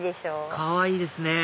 かわいいですね！